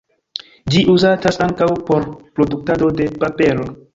Ĝi uzatas ankaŭ por produktado de papero.